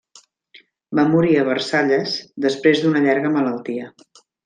Va morir a Versalles després d'una llarga malaltia.